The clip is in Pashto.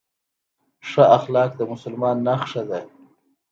ښه اخلاق د مسلمان نښه ده